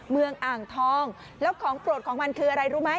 เมืองอ่างทองแล้วของโปรดของมันคืออะไรรู้ไหม